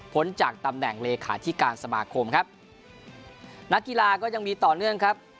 จากตำแหน่งเลขาธิการสมาคมครับนักกีฬาก็ยังมีต่อเนื่องครับ